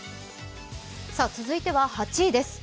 続いては８位です。